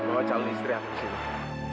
bawa calon istri aku di sini